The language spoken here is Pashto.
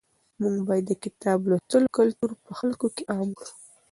موږ باید د کتاب لوستلو کلتور په خلکو کې عام کړو.